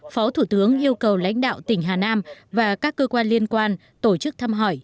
phó thủ tướng yêu cầu lãnh đạo tỉnh hà nam và các cơ quan liên quan tổ chức thăm hỏi